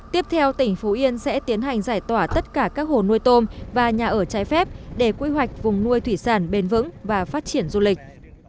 tiếp theo tỉnh phú yên sẽ tiến hành giải tỏa tất cả các hồ nuôi tôm và nhà ở trái phép để quy hoạch vùng nuôi thủy sản bền vững và phát triển du lịch